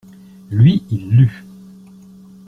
Lui, il lut.